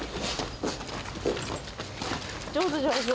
上手、上手。